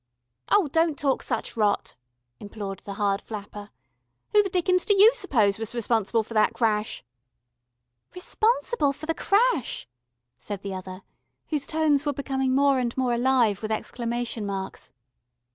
"Oh, don't talk such rot," implored the hard flapper. "Who the dickens do you suppose was responsible for that crash?" "Responsible for the crash!" said the other, whose tones were becoming more and more alive with exclamation marks.